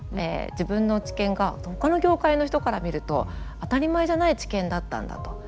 自分の知見がほかの業界の人から見ると当たり前じゃない知見だったんだと。